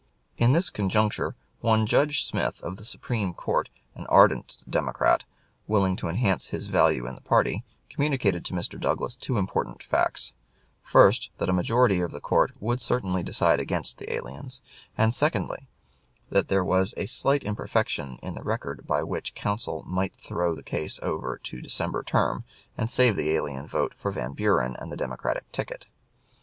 In this conjuncture one Judge Smith, of the Supreme Court, an ardent Democrat, willing to enhance his value in his party, communicated to Mr. Douglas two important facts: first, that a majority of the court would certainly decide against the aliens; and, secondly that there was a slight imperfection in the record by which counsel might throw the case over to the December term, and save the alien vote for Van Buren and the Democratic ticket.